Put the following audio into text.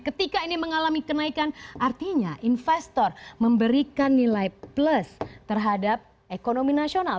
ketika ini mengalami kenaikan artinya investor memberikan nilai plus terhadap ekonomi nasional